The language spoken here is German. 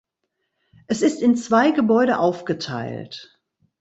Es ist in zwei Gebäude aufgeteilt.